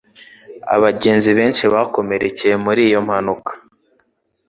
Abagenzi benshi bakomerekeye muri iyo mpanuka.